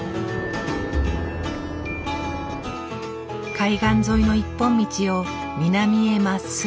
海岸沿いの一本道を南へまっすぐ。